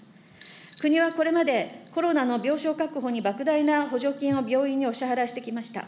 国はこれまで、コロナの病床確保にばく大な補助金を病院にお支払いしてきました。